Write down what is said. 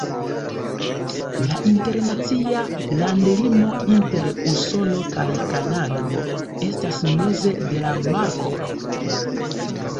La internacia landlimo inter Usono kaj Kanado estas meze de la markolo.